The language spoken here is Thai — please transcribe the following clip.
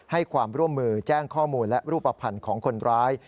ให้ความร่วมมือแจ้งข้อมูลและรูปภัณฑ์ของคนร้าย